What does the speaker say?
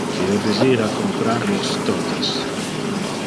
Io desira comprar los tote.